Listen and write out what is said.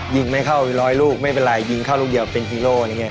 ยิงไม่เข้ามีร้อยลูกไม่เป็นไรยิงเข้าลูกเดียวเป็นฮีโร่